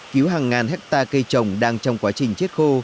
cứu hàng ngàn hectare cây trồng đang trong quá trình chết khô